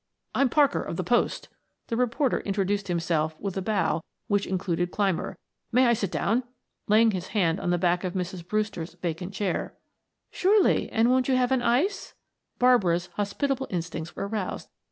"I'm Parker of the Post," the reporter introduced himself with a bow which included Clymer. "May I sit down?" laying his hand on the back of Mrs. Brewster's vacant chair. "Surely; and won't you have an ice?" Barbara's hospitable instincts were aroused.